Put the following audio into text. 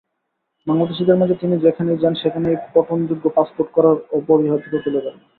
বাংলাদেশিদের মাঝে তিনি যেখানেই যান সেখানেই পঠনযোগ্য পাসপোর্ট করার অপরিহার্যতা তুলে ধরেন।